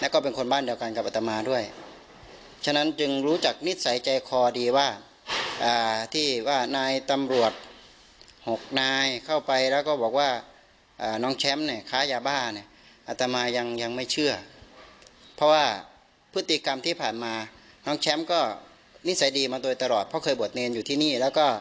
ก็นิสัยดีมาโดยตลอดเพราะว่าเคยโบสถ์เรียนอยู่ที่นี้